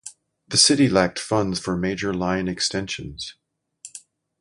The city lacked funds for major line extensions.